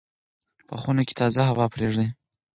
په خونه کې تازه هوا پرېږدئ.